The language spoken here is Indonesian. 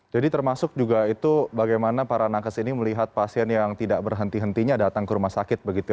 jadi termasuk juga itu bagaimana para nakas ini melihat pasien yang tidak berhenti hentinya datang ke rumah sakit